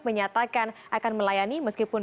menyatakan akan melayani meskipun